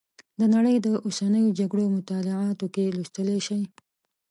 د نړۍ د اوسنیو جګړو مطالعاتو کې لوستلی شئ.